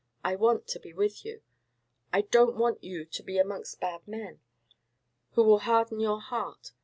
I want to be with you. I don't want you to be amongst bad men, who will harden your heart.